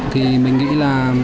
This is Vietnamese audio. thì mình nghĩ là